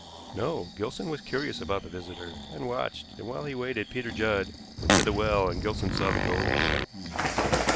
"No. Gilson was curious about the visitor, and watched; and while he waited Peter Judd went to the well, and Gilson saw the gold.